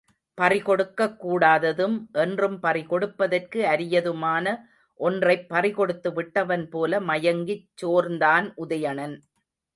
பறி கொடுக்கக் கூடாததும் என்றும் பறிகொடுப்பதற்கு அரியதுமான ஒன்றைப் பறி கொடுத்துவிட்டவன் போல மயங்கிச் சோர்ந்தான் உதயணன்.